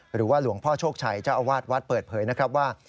หรือว่าหลวงพ่อโชคชัยเจ้าอาวาสวัดเปิดเผยนะครับว่า